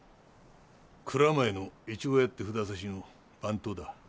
蔵前の越後屋って札差の番頭だ。